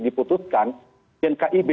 diputuskan dan kib